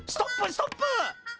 ストップ！